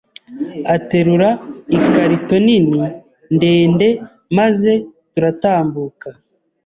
aterura ikarito nini ndende maze turatambuka